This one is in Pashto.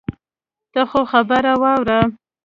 ته خو خبره واوره.